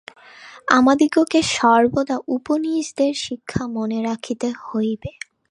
আমাদিগকে সর্বদা উপনিষদের শিক্ষা মনে রাখিতে হইবে।